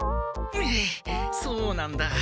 うそうなんだ。